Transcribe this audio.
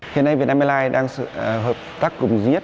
hiện nay việt nam airlines đang hợp tác cùng duy nhất